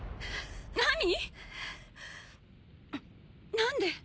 何で！？